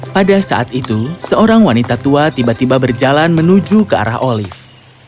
pada saat itu seorang wanita tua tiba tiba berjalan menuju ke arah olive